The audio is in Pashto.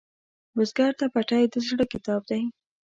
بزګر ته پټی د زړۀ کتاب دی